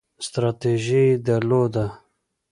ستراتیژي یې درلوده.